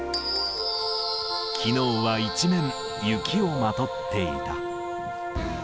きのうは一面、雪をまとっていた。